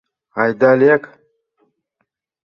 — Айда, лек!